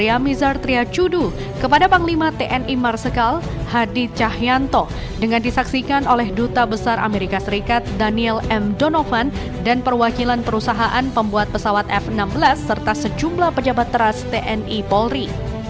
serah terima dilakukan oleh menteri pertahanan republik indonesia ria cudu kepada panglima tni marsikal hadi cahyanto dengan disaksikan oleh duta besar amerika serikat daniel m donovan dan perwakilan perusahaan pembuat pesawat f enam belas serta sejumlah pejabat teras tni polri